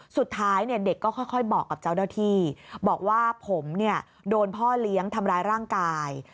สุดท้ายเนี่ยเด็กก็ค่อยบอกกับเจ้าหน้าที่บอกว่าผมเนี่ยโดนพ่อเลี้ยงทำร้ายร่างกาย